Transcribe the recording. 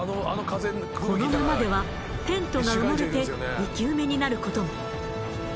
このままではテントが埋もれて生き埋めになる事も。